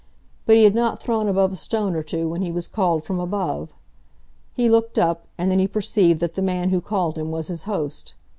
But he had not thrown above a stone or two when he was called from above. He looked up, and then he perceived that the man who called him was his host.